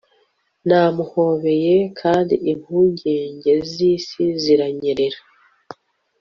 namuhobeye kandi impungenge z'isi ziranyerera